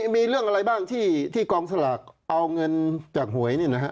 มีเรื่องอะไรบ้างที่กองสลากเอาเงินจากหวย